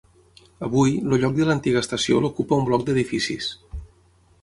Avui, el lloc de l'antiga estació l'ocupa un bloc d'edificis.